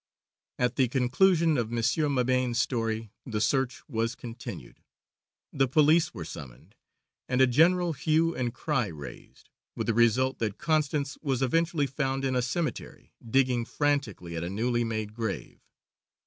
At the conclusion of Monsieur Mabane's story the search was continued. The police were summoned, and a general hue and cry raised, with the result that Constance was eventually found in a cemetery digging frantically at a newly made grave.